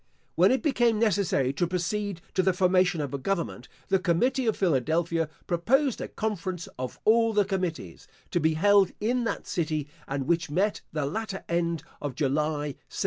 When it became necessary to proceed to the formation of a government, the committee of Philadelphia proposed a conference of all the committees, to be held in that city, and which met the latter end of July, 1776.